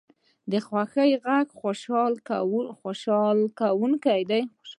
د خوښۍ غږ خوشحاله کوونکی وي